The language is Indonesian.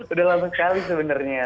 udah lama sekali sebenarnya